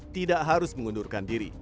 tidak harus mengundurkan diri